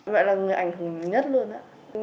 mẹ là người ảnh hưởng nhất luôn á